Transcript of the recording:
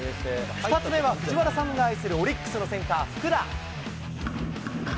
２つ目は藤原さんが愛するオリックスのセンター、福田。